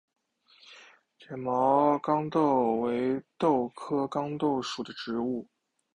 卷毛豇豆为豆科豇豆属的植物。